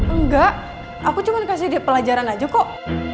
enggak aku cuman kasih dia pelajaran aja kok